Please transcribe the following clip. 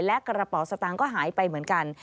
และกระเป๋าสตางค์ก็หายไปเหมือนกัน